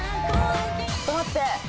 ちょっと待って。